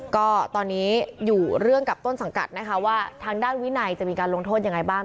ก็ตอนนี้อยู่เรื่องกับต้นสังกัดนะคะว่าทางด้านวินัยจะมีการลงโทษยังไงบ้าง